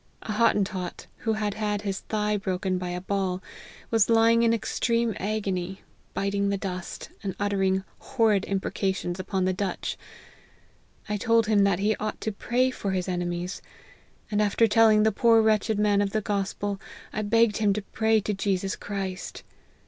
A Hottentot, who had had his thigh broken by a ball, was lying in extreme agony, biting the dust, and uttering hor rid imprecations upon the Dutch. I told him that he ought to pray for his enemies ; and after telling the poor wretched man of the gospel, I begged him to pray to Jesus Christ.